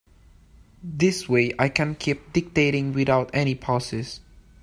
This way I can keep dictating without any pauses.